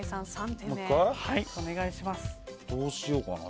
どうしようかな。